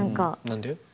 何で？